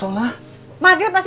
aku alami teman